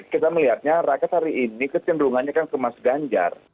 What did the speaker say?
kita melihatnya rakyat hari ini kecenderungannya kan ke mas ganjar